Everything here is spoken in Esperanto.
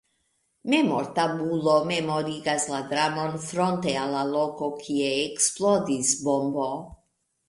Memortabulo memorigas la dramon fronte al la loko kie eksplodis bombo.